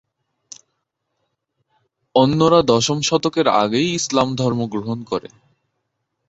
অন্যরা দশম শতকের আগেই ইসলাম ধর্ম গ্রহণ করে।